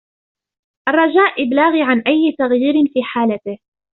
الرجاء ابلاغي عن أي تغيير في حالته.